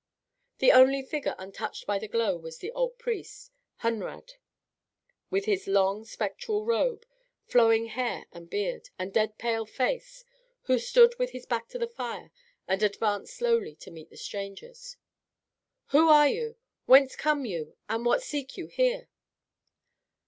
The only figure untouched by the glow was the old priest, Hunrad, with his long, spectral robe, flowing hair and beard, and dead pale face, who stood with his back to the fire and advanced slowly to meet the strangers. "Who are you? Whence come you, and what seek you here?"